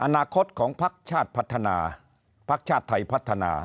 อนาคตของพักชาติพัฒนาภักดิ์ชาติไทยพัฒนา